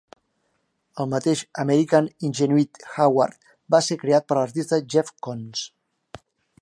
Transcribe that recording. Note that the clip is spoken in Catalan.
El mateix American Ingenuity Award va ser creat per l'artista Jeff Koons.